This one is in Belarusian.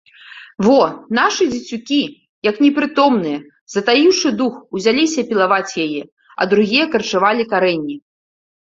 Во, нашы дзецюкі, як непрытомныя, затаіўшы дух, узяліся пілаваць яе, а другія карчавалі карэнні.